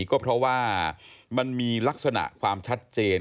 ก็เพราะว่ามันมีลักษณะความชัดเจน